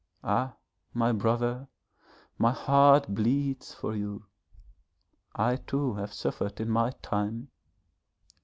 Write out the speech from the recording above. Ah, my brother, my heart bleeds for you. I too have suffered in my time.